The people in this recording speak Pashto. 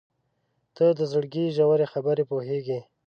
• ته د زړګي ژورې خبرې پوهېږې.